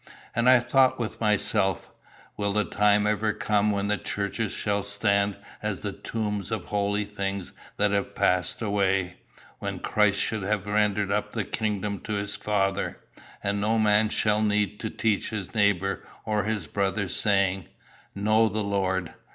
And I thought with myself, Will the time ever come when the churches shall stand as the tombs of holy things that have passed away, when Christ shall have rendered up the kingdom to his Father, and no man shall need to teach his neighbour or his brother, saying, "Know the Lord"?